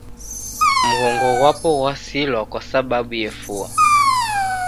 Mghongo ghw'apo ghw'asilwa kwasababu efua.